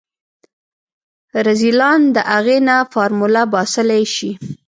رذيلان د اغې نه فارموله باسلی شي.